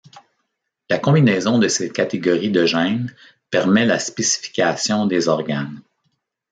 La combinaison de ces catégories de gènes permet la spécification des organes.